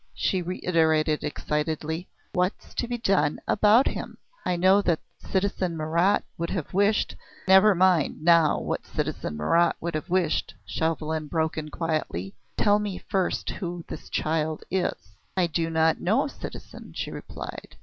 she reiterated excitedly. "What's to be done about him? I know that citizen Marat would have wished " "Never mind now what citizen Marat would have wished," Chauvelin broke in quietly. "Tell me first who this child is." "I do not know, citizen," she replied.